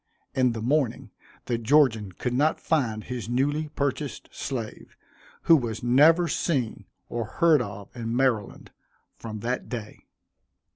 In the morning the Georgian could not find his newly purchased slave, who was never seen or heard of in Maryland from that day.